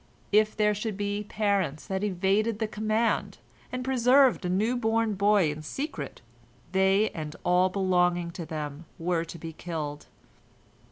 If there should be parents that evaded the command, and preserved a new born boy in secret, they and all belonging to them were to be killed.